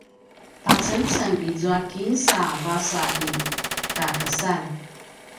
pacengceng izua kinsa vasa i kakesan